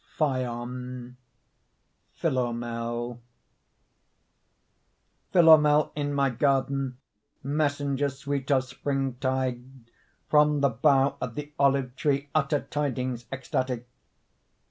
PHAON PHILOMEL Philomel in my garden, Messenger sweet of springtide, From the bough of the olive tree utter Tidings ecstatic.